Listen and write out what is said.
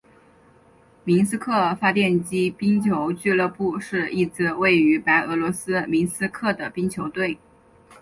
明斯克发电机冰球俱乐部是一支位于白俄罗斯明斯克的冰球队。